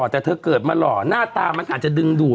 แต่เธอเกิดมาหล่อหน้าตามันอาจจะดึงดูด